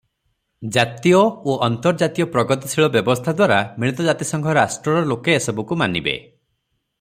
ଜାତୀୟ ଓ ଅନ୍ତର୍ଜାତୀୟ ପ୍ରଗତିଶୀଳ ବ୍ୟବସ୍ଥା ଦ୍ୱାରା ମିଳିତ ଜାତିସଂଘ ରାଷ୍ଟ୍ରର ଲୋକେ ଏସବୁକୁ ମାନିବେ ।